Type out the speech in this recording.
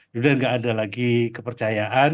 sudah tidak ada lagi kepercayaan